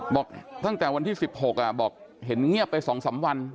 บอกตั้งแต่วันที่๑๖บอกเห็นเงียบไป๒๓วัน